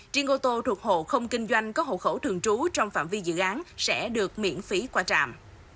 trên ô tô thuộc hộ không kinh doanh có hộ khẩu thường trú trong phạm vi dự án sẽ được miễn phí qua trạm